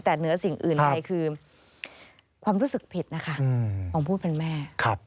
แต่เหนือสิ่งอื่นใดคือความรู้สึกผิดนะคะของผู้เป็นแม่